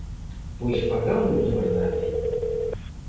Pois fagámolo de verdade.